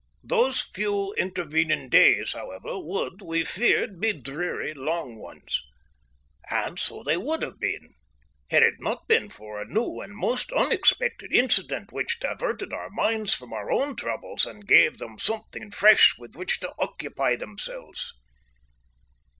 Those few intervening days, however, would, we feared, be dreary, long ones. And so they would have been, had it not been for a new and most unexpected incident, which diverted our minds from our own troubles and gave them something fresh with which to occupy themselves.